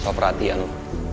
soal perhatian lo